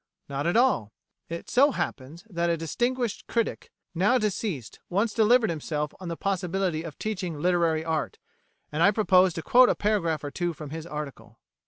Not at all. It so happens that a distinguished critic, now deceased, once delivered himself on the possibility of teaching literary art, and I propose to quote a paragraph or two from his article.